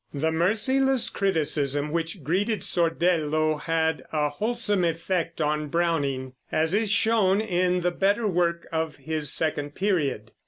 The merciless criticism which greeted Sordello had a wholesome effect on Browning, as is shown in the better work of his second period.